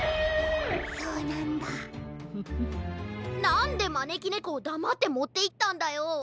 なんでまねきねこをだまってもっていったんだよ。